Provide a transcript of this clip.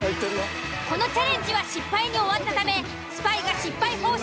このチャレンジは失敗に終わったためスパイが失敗報酬